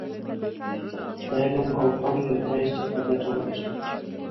د علم او فن له فیض څخه ګټه ورسوو.